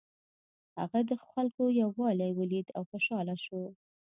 هغه د خلکو یووالی ولید او خوشحاله شو.